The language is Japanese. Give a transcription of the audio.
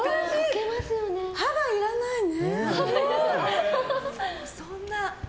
歯がいらないね。